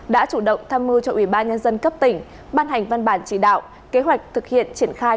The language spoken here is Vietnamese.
đã chủ động tham mưu cho ủy ban nhân dân cấp tỉnh ban hành văn bản chỉ đạo kế hoạch thực hiện triển khai